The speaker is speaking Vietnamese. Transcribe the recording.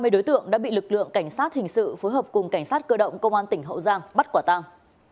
hai mươi đối tượng đã bị lực lượng cảnh sát hình sự phối hợp cùng cảnh sát cơ động công an tỉnh hậu giang bắt quả tang